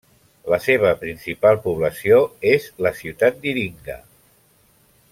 La seva principal població és la ciutat d'Iringa.